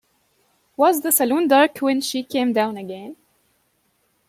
Was the salon dark when she came down again?